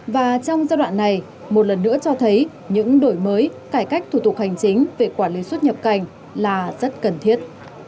và trong giai đoạn này một lần nữa cho thấy những đổi mới cải cách thủ tục hành chính về quản lý xuất nhập cảnh là rất cần thiết